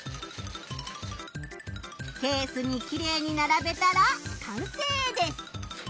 ケースにきれいにならべたらかんせいです！